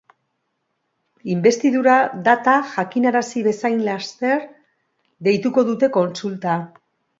Inbestidura data jakinarazi bezain laster deituko dute kontsulta.